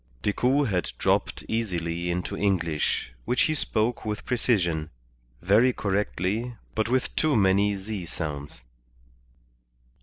Decoud had dropped easily into English, which he spoke with precision, very correctly, but with too many z sounds.